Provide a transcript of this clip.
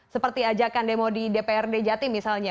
seperti ajakan demo di dprd jatim misalnya